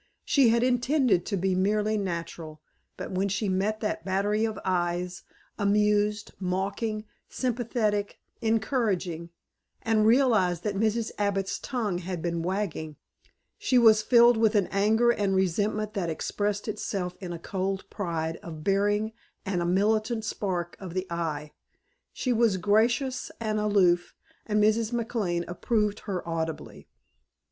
She had intended to be merely natural, but when she met that battery of eyes, amused, mocking, sympathetic, encouraging, and realized that Mrs. Abbott's tongue had been wagging, she was filled with an anger and resentment that expressed itself in a cold pride of bearing and a militant sparkle of the eye. She was gracious and aloof and Mrs. McLane approved her audibly.